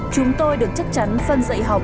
chúng tôi được chắc chắn phân dạy học